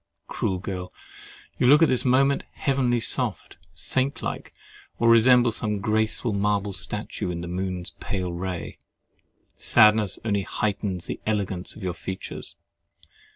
Cruel girl! you look at this moment heavenly soft, saint like, or resemble some graceful marble statue, in the moon's pale ray! Sadness only heightens the elegance of your features.